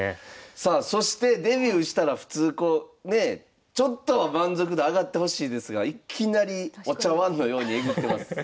さあそしてデビューしたら普通こうねちょっとは満足度上がってほしいですがいきなりお茶わんのようにえぐってます。